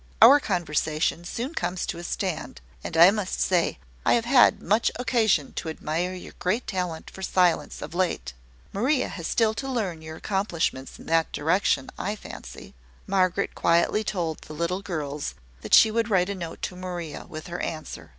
Our conversation soon comes to a stand: and I must say I have had much occasion to admire your great talent for silence of late. Maria has still to learn your accomplishments in that direction, I fancy." Margaret quietly told the little girls that she would write a note to Maria, with her answer.